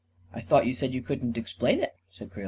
" I thought you said you couldn't explain it," said Creel.